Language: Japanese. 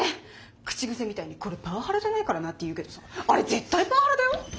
口癖みたいに「これパワハラじゃないからな」って言うけどさあれ絶対パワハラだよ！